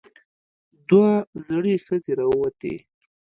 دوه زړې ښځې راووتې.